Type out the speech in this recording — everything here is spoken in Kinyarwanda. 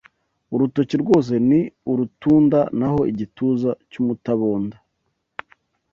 Urutoki rwose ni urutunda Naho igituza cy’umutabonda